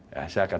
ya saya akan tanya